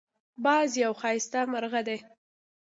باز یو ښایسته مرغه دی